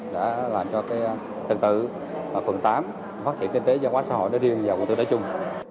đã làm cho tương tự phần tám phát triển kinh tế giáo hóa xã hội riêng và quân sự đối chung